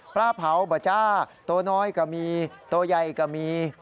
พระเผาบัจจ้าโตน้อยกะมีโตใหญ่กะมี